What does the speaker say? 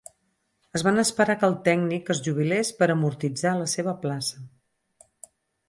Es van esperar que el tècnic es jubilés per amortitzar la seva plaça.